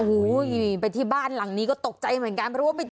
โอ้โหไปที่บ้านหลังนี้ก็ตกใจเหมือนกัน